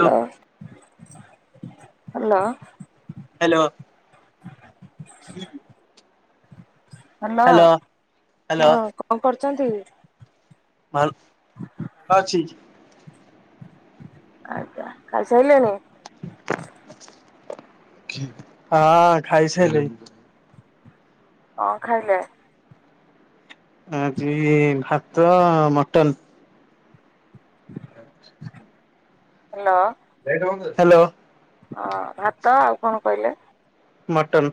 Hello hello. Hello. Hello hello ହଁ କଣ କରୁଛନ୍ତି? ଭଲ ଅଛି। ଆଜ୍ଞା ଖାଇ ସାଇଲେଣିି? ହଁ ଖାଇସାଇଲିଣି। କଣ ଖାଇଲେ? ଆଜି ଭାତ ଆଉ ମଟନ୍। ହ୍ୟାଲୋ। ହ୍ୟାଲୋ। ହଁ ଭାତ ଆଉ କଣ କହିଲେ? ମଟନ୍।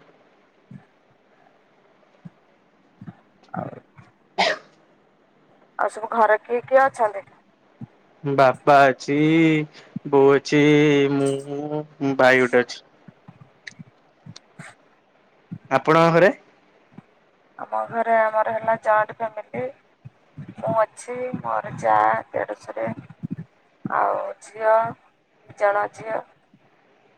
ଆଉ ଆଉ ସବୁ ଘରେ କିଏ କିଏ ଅଛନ୍ତି? ବାପା ଅଛି ବୋଉ ଅଛି ମୁଁ ଭାଇ ଗୋଟେ ଅଛି। [inaudible] ଆପଣଙ୍କ ଘରେ? ଆମ ଘରେ ଆମର ହେଲା ଜଏଣ୍ଟ୍ ଫ୍ୟାମିଲି। ମୁଁ ଅଛି ମୋର ଯା ଦେଢଶୁରେ ଆଉ ଝିଅ ଦି ଜଣ ଝିଅ।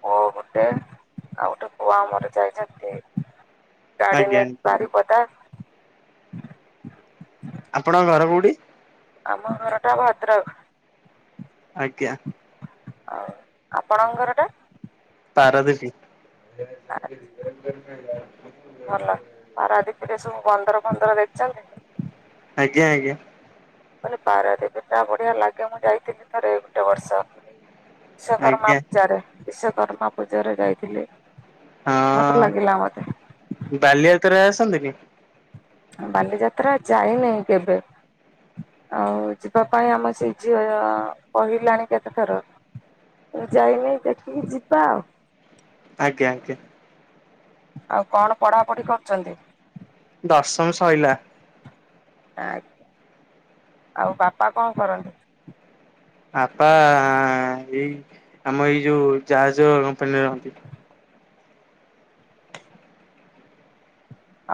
ପୁଅ ଗୋଟେ ଆଉ ଗୋଟେ ପୁଅ ଆମର ଯାଇଛନ୍ତି ଗାଡ଼ି ଆଜ୍ଞା ନେଇକି ଆଜ୍ଞା ବାରିପଦା। ଆପଣଙ୍କ ଘର କୋଉଠି? ଆମ ଘର ଟା ଭଦ୍ରକ। ଆଜ୍ଞା। ଆଉ ଆପଣଙ୍କ ଘର ଟା। ପାରାଦ୍ବୀପ। ଭଲ ପାରାଦିପିରେ ସବୁ ବନ୍ଦର ଫନ୍ଦର ଦେଖିଚନ୍ତି। ଆଜ୍ଞା ଆଜ୍ଞା। ମାନେ ପାରାଦ୍ୱୀପ ଟା ବଢିଆ ଲାଗେ ମୁଁ ଯାଇଥିଲି ଥରେ ଗୋଟେ ବର୍ଷ। ବିଶକର୍ମା ଆଜ୍ଞା ପୂଜାରେ ବିଶ୍ୱକର୍ମା ପୂଜାରେ ଯାଇଥିଲି। ଭଲ ହଁ ଲାଗିଲା ମତେ। ବାଲିଯାତ୍ରା ଆସନ୍ତି ନି। ବାଲିଯାତ୍ରା ଯାଇନାଇ କେବେ। ଆଉ ଯିବା ପାଇଁ ଆମ ସେଇ ଝିଅ ଅ କହିଲାଣି କେତେଥର। କେବେ ଯାଇନି ଦେଖିକି ଯିବା ଆଉ। ଆଜ୍ଞା ଆଜ୍ଞା। ଆଉ କଣ ପଢାପଢି କରୁଛନ୍ତି। ଦଶମ ସଇଲା। ଆଜ୍ଞା ଆଉ ବାପା କଣ କରନ୍ତି? ବାପା ଏଇ ଆମ ଏଇ ଯୋଉ ଜାହାଜ କମ୍ପାନୀ ରହନ୍ତି।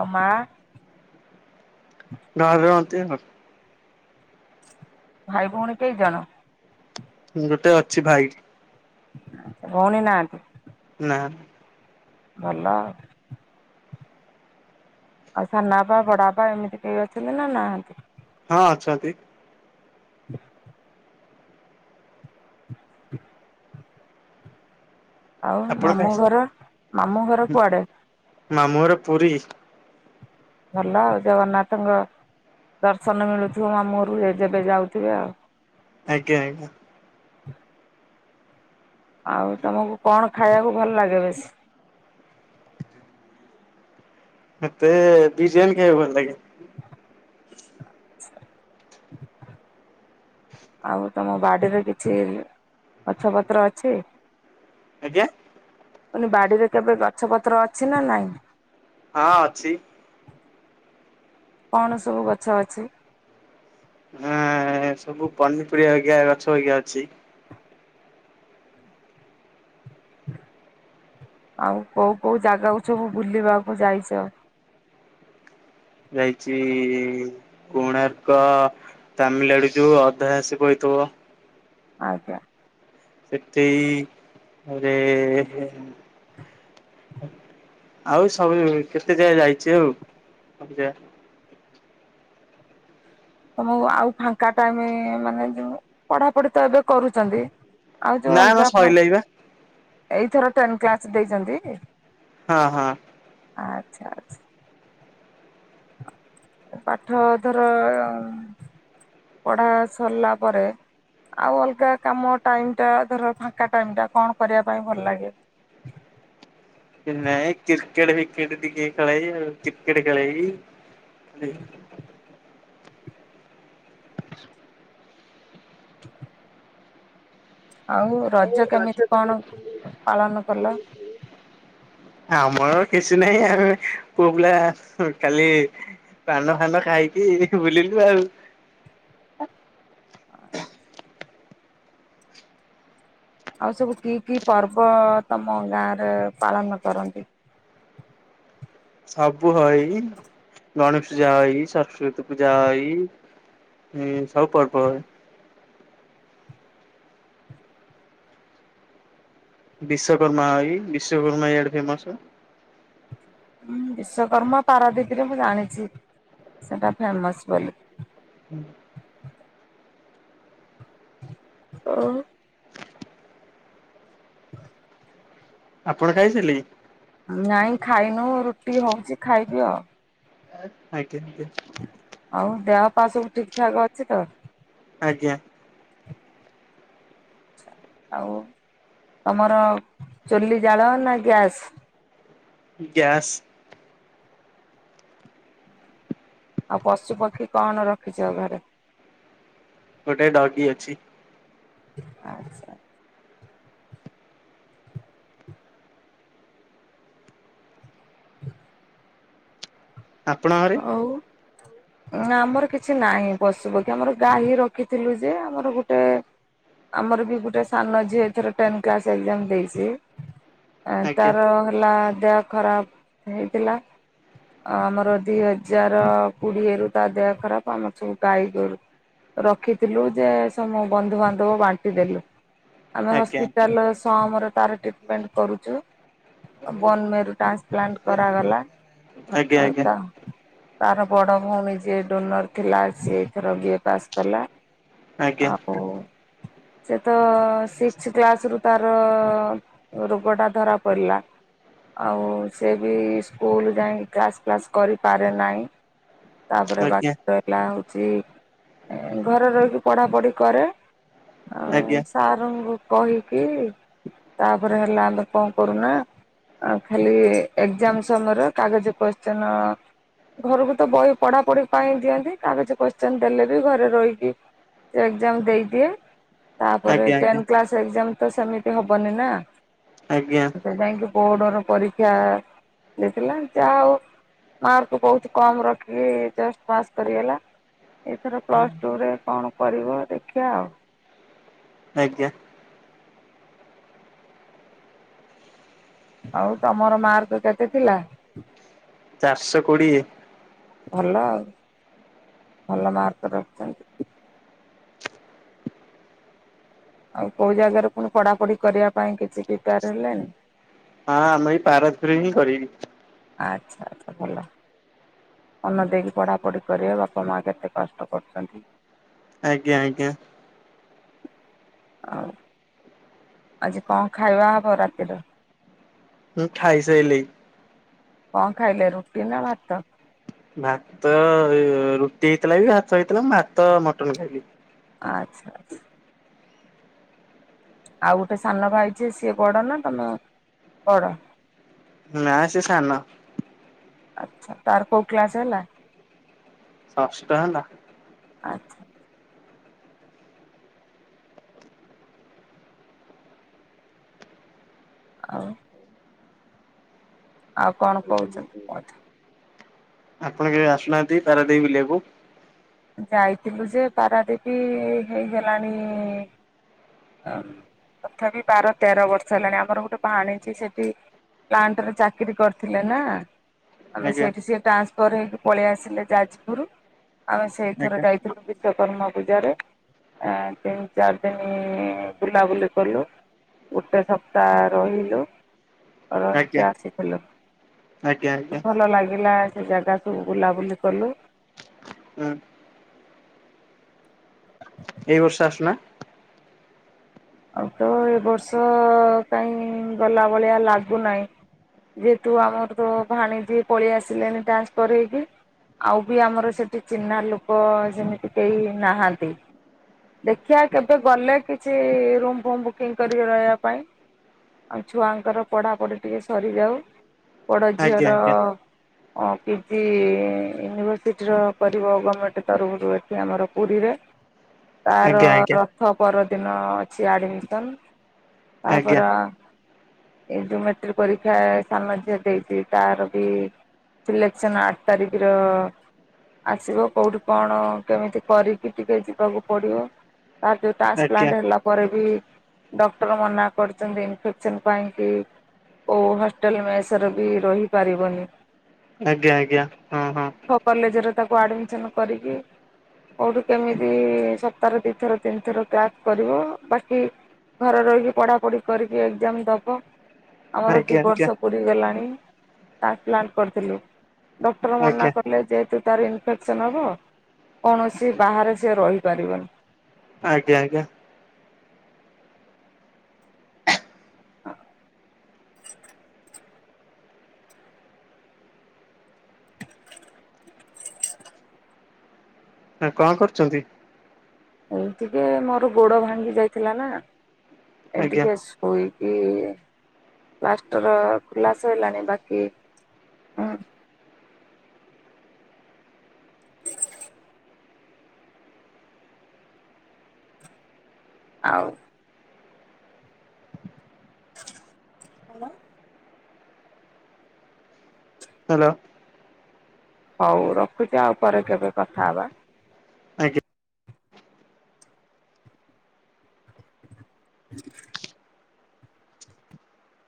ଆଉ ମା ଘରେ ରହନ୍ତି [unintelligible] ତ। ଭାଇ ଭଉଣୀ କେଇ ଜଣ? ଗୋଟେ ଅଛି ଭାଇ। ଭଉଣୀ ନାହାନ୍ତି। ନା। ଭଲ ଆଉ। ଆଉ ସାନା ବାପା ବଡବାପା ଏମିତି କେହି ଅଛନ୍ତି ନା ନାହାନ୍ତି। ହଁ ଅଛନ୍ତି। [inaudible] [inaudible] ଆଉ ଆପଣ ଖାଇ ମାମୁଁ ଘର ମାମୁଁ ଘର କୁଆଡେ? ମାମୁଁ ଘର ପୁରୀ। ଭଲ ଆଉ ଜଗନ୍ନାଥଙ୍କ ଦର୍ଶନ ମିଳୁଥିବ ମାମୁଁ ଘରକୁ ଯେବେ ଯାଉଥିବେ ଆଉ। ଆଜ୍ଞା ଆଜ୍ଞା। ଆଉ ତମକୁ କଣ ଖାଇଆକୁ ଭଲ ଲାଗେ ବେଶୀ ମେତେ ବିରୀଆନି ଖାଇଆକୁ ଭଲ ଲାଗେ। ଆଛା। ଆଉ ତମ ବାଡ଼ିରେ କିଛି ଗଛପତ୍ର ଅଛି। ଆଜ୍ଞା। ମୁ କହିଲି ବଡିରେ କେବେ ଗଛ ପତ୍ର ଅଛି ନା ନାହିଁ। ହଁ ଅଛି। କଣ ସବୁ ଗଛ ଅଛି? ହଁ ବୁ ପନିପରିବା ଅା ଗଛ ଅା ଅଛି। ଆଉ କୋଉ କୋଉ ଜାଗାକୁ ସବୁ ବୁଲିବାକୁ ଯାଇଛ। ଯାଇଛି କୋଣାର୍କ। ତାମିଲନାଡୁ ଯୋଉ ଅଧହାସିକ ହେଇଥିବ। ଆଜ୍ଞା। ସେଠି ତାପରେ [inaudible] ଆଉ ସବୁ କେତେ ଜାଗା ଯାଇଛୁ ଆଉ ସବୁ ଜାଗା। ତମକୁ ଆଉ ଫାଙ୍କା ଟାଇମି ମାନେ ଯୋଉ ପଢାପଢି ତ ଏବେ କରୁଚନ୍ତି। ଆଉ ଯୋଉ ନା ମ ଅଲଗା ଆପଣ ସଇଲାଇ ବା ଏଇଥର ଟେନ କ୍ଲାସ ଦେଇଚନ୍ତି କି? ହଁ ହଁ। ଆ ଚ୍ଛା ଚ୍ଛା। ପାଠ ଧର। ପଢ଼ା ସରିଲା ପରେ। ଆଉ ଅଲଗା କାମ ଟାଇମ୍ ଟା ଧର ଫାଙ୍କା ଟାଇମ୍ ଟା କଣ କରିବା ପାଇଁ ଭଲ ଲାଗେ? କିଛି ନାଇଁ କ୍ରିକେଟ ଫିକେଟ ଟିକେ ଖେଳେଇ ବି ଆଉ କ୍ରିକେଟ ଖେଳେଇବି। [unintelligible] [inaudible] [inaudible] ରଜ ଆଉ କେମିତି ରଜଟା କଣ ପାଳନ କଲ? [unintelligible] ଆମର କିଛି ନାହିଁ ଆଉ ପୁଅପିଲା କାଲି। ପାନ ଫାନ ଖାଇକି ବୁଲିଲୁ ଆଉ। ଆଚ୍ଛା। ଆଉ ସବୁ କି କି ପର୍ବ ତମ ଗାଁରେ ପାଳନ କରନ୍ତି? ସବୁ ହଇ ଗଣେଶ ପୂଜା ହଇ ସରସ୍ଵତୀ ପୂଜା ହଇ। ଏଇ ସବୁ ପର୍ବ ହଏ। ବିଶ୍ଵକର୍ମା ଇ ବିଶ୍ୱଵକର୍ମା ଇଆଡେ ଫେମସ। ଉଁ ବିଶ୍ୱକର୍ମା ପାରାଦୀପରେ ମୁଁ ଜାଣିଚି ସେଟା ଫେମସ ବୋଲି। ହୁଁ। ଅ। ଆପଣ ଖାଇଥିଲି? ନାଇଁ ଖାଇନୁ ରୁଟି ହଉଚି ଖାଇବି ଆଉ। ଆଜ୍ଞା ଆଜ୍ଞା। ଆଉ ଦେହ ପା ସବୁ ଠିକ୍ ଠାକ୍ ଅଛି ତ? ଆଜ୍ଞା। ଆଉ ତମର ଚୁଲି ଜାଳ ନା ଗ୍ୟାସ୍? ଗ୍ୟାସ୍। ଆଉ ପଶୁ ପକ୍ଷୀ କଣ ରଖିଚ ଘରେ? ଗୋଟାଏ ଡଗି ଅଛି। ଆଚ୍ଛା। ଆପଣଙ୍କ ଘରେ? ହଉ। ନା ଆମର କିଛି ନାହିଁ ପଶୁପକ୍ଷୀ ଆମର ଗାଈ ରଖିଥିଲୁ ଯେ ଆମର ଗୁଟେ। ଆମର ବି ଗୋଟେ ସାନ ଝିଅ ଏଥର ଟେନ କ୍ଲାସ ଏକ୍ଜାମ ଦେଇଚି। ଆଜ୍ଞା ତାର ହେଲା ଦେହ ଖରାପ ହେଇଥିଲା ଆମର। ଦିଇ ହଜାର କୁଡିଏ ରୁ ତା ଦେହ ଖରାପ ଆମର ସବୁ ଗାଈଗୋରୁ। ରଖିଥିଲୁ ଯେ ସମୁ ବନ୍ଧୁବାନ୍ଧବ ବାଣ୍ଟି ଦେଲୁ। ଆମେ ଆଜ୍ଞା ହସ୍ପିଟାଲର ସମ ର ତାର ଟ୍ରିଟମେଣ୍ଟ କରୁଚୁ। ବନମେରୁ ଟ୍ରାନ୍ସପ୍ଲାଣ୍ଟ କରାଗଲା। ଆଜ୍ଞା ଆଜ୍ଞା ତ ତାର ବଡ ଭଉଣୀ ଯିଏ ଡୋନର ଥିଲା ସିଏ ଏଥର ବିଏ ପାସ୍ କଲା।। ଆଜ୍ଞା ଆଉ ସିଏତ ସିକ୍ସି କ୍ଲାସରୁ। ତାର ରୋଗଟା ଧରାପଡ଼ିଲା। ଆଉ ସେ ବି ସ୍କୁଲ ଯାଇଁକି କ୍ଲାସ୍ ଫ୍ଲାସ୍। କରିପାରେ ନାଇଁ ତାପରେ ଆଜ୍ଞା। ଆଜ୍ଞା ବାକି ର ଲା ହଉଛି ଘରେ ରହିକି ପଢ଼ାପଢ଼ି କରେ। ଆଉ ଆଜ୍ଞା ସାରଙ୍କୁ କହିକି ତାପରେ ହେଲା ଆମେ କଣ କରୁନା ଆଉ ଖାଲି ଏକ୍ଜାମ ସମୟରେ କାଗଜ କୋସ୍ଚିନ ଘରକୁ ତ ବହି ପଢ଼ାପଢ଼ି ପାଇଁ ଦିଅନ୍ତି କାଗଜ କୋସ୍ଚିନ୍ ଦେଲେ ବି ଘରେ ରହିକି ଏଗ୍ଜାମ ଦେଇଦିଏ ତାପରେ ଆଜ୍ଞା ଟେନ୍ କ୍ଲାସ ଏକ୍ଜାମ ତ ସେମିତି ହବନି ନା! ଆଜ୍ଞା। ସେପାଇଁକି ବୋର୍ଡ଼ ର ପରୀକ୍ଷା ଦେଇଥିଲା ଯା ହୋଉ ମାର୍କ ବହୁତ କମ ରଖିକି ଜଷ୍ଟ ପାସ୍ କରିଗଲା। ଏଇଥର ଆଜ୍ଞା ପ୍ଲସ୍ ଟୁ ରେ କଣ କରିବ ଦେଖିବା ଆଉ। ଆଜ୍ଞା। ଆଉ ତମର ମାର୍କ କେତେ ଥିଲା? ଚାରଶ କୋଡ଼ିଏ। ଭଲ ଆଉ। ଭଲ ମାର୍କ ରଖିଛନ୍ତି। ଆଉ କୋଉ ଜାଗାରେ ପୁଣି ପଢ଼ାପଢ଼ି କରିବା ପାଇଁ କିଛି ପିପେଆର ହେଲାଣିି? ହଁ ଆମେ ଏଇ ପାରଦୀପରେ ହିଁ କରିବି। ଆଚ୍ଛା ଆଚ୍ଛା ଭଲ। ମନ ଦେଇକି ପଢ଼ାପଢ଼ି କରିବ ବାପା ମା କେତେ କଷ୍ଟ କରୁଛନ୍ତି। ଆଜ୍ଞା ଆଜ୍ଞା। ଆଉ ଆଜି କଣ ଖାଇବା ହବ ରାତିର? ମୁ ଖାଇସାଇଲେଇଁ। କଁ ଖାଇଲେ ରୁଟି ନା ଭାତ? ଭାତ ଏଇ ରୁଟି ହେଇଥିଲା ବି ଭାତ ହେଇଥିଲା ମୁଁ ଭାତ ମଟନ ଖାଇଲି। ଆଚ୍ଛା ଆଚ୍ଛା। ଆଉ ଗୋଟେ ସାନ ଭାଇ ଯିଏ ସିଏ ବଡ଼ ନା ତମେ ବଡ଼? ନା ସିଏ ସାନ। ଆଚ୍ଛା, ତାର କୋଉ କ୍ଲାସ ହେଲା? ଷଷ୍ଠ ହେଲା। ଆଚ୍ଛା। ଆଉ? ଆଉ କଣ କହୁଛନ୍ତି କୁହନ୍ତୁ। ଆପଣ କେବେ ଆସୁନାହାନ୍ତି ପାରାଦୀପ ବୁଲିଆକୁ? ଯାଇଥିଲୁ ଯେ ପାରାଦୀପ ହେଇଗଲାଣି, ଅ ତଥାପି ବାର ତେର ବର୍ଷ ହେଲାଣି। ଆମର ଗୋଟେ ଭାଣିଜୀ ସେଠି ପ୍ଲାଣ୍ଟରେ ଚାକିରୀ କରିଥିଲେ ନା! ଆମେ ଆଜ୍ଞା ସେଇଠୁ ସିଏ ଟାନ୍ସଫର ହେଇକି ପଳେଇ ଆସିଲେ ଯାଜପୁର ଆମେ ସେଇଥିର ଆଜ୍ଞା ଯାଇଥିଲୁ ବିଶ୍ଵକର୍ମା ପୂଜାରେ। ଆଁ ତିନି ଚାରି ଦିନି ବୁଲାବୁଲି କଲୁ, ଗୋଟେ ସପ୍ତାହ ରହିଲୁ। ଆଜ୍ଞା ରହିକି ଆସିଥିଲୁ ଆଜ୍ଞା ଆଜ୍ଞା ଭଲ ଲାଗିଲା ସେ ଜାଗା ସ ସବୁ ବୁଲାବୁଲି କଲୁ। ହୁଁ। ଏଇ ବର୍ଷ ଆସୁନା। ଆଉ ତ ଏ ବର୍ଷ କାଇଁ ଗଲା ଭଳିଆ ଲାଗୁନାଇଁ ଯେହେତୁ ଆମର ତ ଭାଣିଜୀ ପଳେଇ ଆସିଲେଣି ଟାନସ୍ଫର ହେଇକି। ଆଉ ବି ଆମର ସେଠି ଚିହ୍ନା ଲୋକ ଯେମିତି କେହି ନାହାନ୍ତି। ଦେଖିବା କେବେ ଗଲେ କିଛି ରୁମ୍ ଫୁମ ବୁକିଂ କରିକି ରହିବା ପାଇଁ। ଆଉ ଛୁଆଙ୍କର ପଢାପଢ଼ି ଟିକେ ସରିଯାଉ ପୋଡ ଆଜ୍ଞା ଝିଅର। ଆଜ୍ଞା ପିଜି ୟୁନିଭର୍ସିଟିର କରିବ ଗଭର୍ଣ୍ଣମେଣ୍ଟ ତରଫରୁ ଏଠି ଆମର ପୁରୀରେ। ତାର ଆଜ୍ଞା ଆଜ୍ଞା ରଥ ପରଦିନ ଅଛି ଆଡମିସନ। ଆଉ ଆଜ୍ଞା ପରା। ଏ ଯଉ ମେଟ୍ରିକ ପରୀକ୍ଷା ସାନ ଝିଅ ଦେଇଛି ତାର ବି ସିଲକସନ୍ ଆଠ ତାରିଖର ଆସିବ କଉଠି କଣ କେମିତି କରିକି ଟିକେ ଯିବାକୁ ପଡ଼ିବ। ତା ଯେଉଁ ଆଜ୍ଞା ଟ୍ରାନ୍ସପ୍ଲାଣ୍ଟ ହେଲା ପରେ ବି ଡକ୍ଟର ମନା କରିଛନ୍ତି ଇନଫେକ୍ସନ୍ ପାଇଁକି। ଓ ହଷ୍ଟେଲ ମେସର ବି ରହିପାରିବନି। ଆଜ୍ଞା ଆଜ୍ଞା। ହଁ ହଁ। କଲେଜରେ ତାକୁ ଆଡମିସନ କରିକି କୋଉଠୁ କେମିତି ସପ୍ତାହର ଦିଥର ତିନି ଥର କାକ୍ କରିବ। ବାକି ଘରେ ରହିକି ପଢାପଢି କରିକି ଏକ୍ଜାମ ଦବ ଆମର ଦି ଆଜ୍ଞା ବର୍ଷ ପୁ ପୁରିଗଲାନି ହାର୍ଟ ପ୍ଲାଣ୍ଟ କରିଥିଲୁ ଡକ୍ଟର ଆଜ୍ଞା ମନାକଲେ ଯେହେତୁ ତାର ଇନଫେକ୍ସନ ହବ କୌଣସି ବାହାରେ ସେ ରହିପାରିବନି। ଆଜ୍ଞା ଆଜ୍ଞା। [inaudible] ଆ କଣ କରୁଛନ୍ତି? ଏଇ ଟିକେ ମୋର ଗୋଡ ଭାଙ୍ଗି ଯାଇଥିଲା ନା ଏ ଆଜ୍ଞା ଟିକେ ଶୁ ହୋଇକି ପ୍ଲାଷ୍ଟର ଖୁଲା ସଇଲାଣି ବାକି ହଁ। ଆଉ। ହ୍ୟାଲୋ। ହଉ ରଖୁଛି ଆଉ ପରେ କେବେ କଥା ହବା। ଆଜ୍ଞା [inaudible]